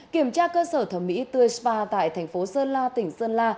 kiểm tra cơ sở thẩm mỹ tươi spa tại thành phố sơn la tỉnh sơn la